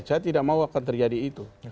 saya tidak mau akan terjadi itu